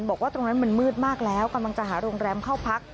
บอกว่าตรงนั้นมันมืดมากแล้วกำลังจะหาโรงแรมเข้าพัก